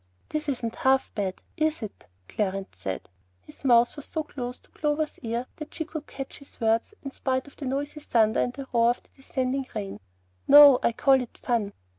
"This isn't half bad, is it?" Clarence said. His mouth was so close to Clover's ear that she could catch his words in spite of the noisy thunder and the roar of the descending rain. "No; I call it fun."